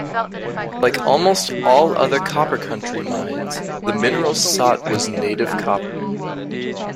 Like almost all other Copper Country mines, the mineral sought was native copper.